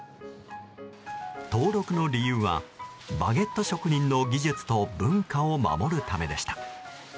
登録の理由は、バゲット職人の技術と文化を守るためでした。